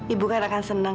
ibu kan akan senang